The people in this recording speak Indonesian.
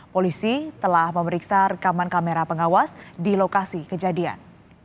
polisi telah memeriksa rekaman kamera pengawas di lokasi kejadian